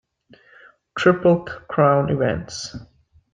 Triple Crown events.